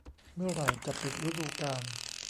เมื่อไหร่จะปิดฤดูกาล